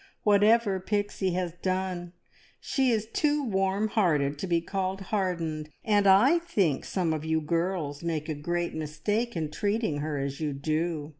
"Whatever Pixie has done, she is too warm hearted to be called `hardened,' and I think some of you girls make a great mistake in treating her as you do.